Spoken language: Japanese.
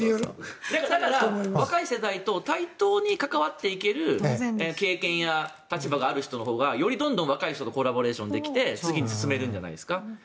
若い世代と対等に関わっていける経験や立場がある人のほうがよりどんどん若い人とコラボレーションできて次に進めるんじゃないですか。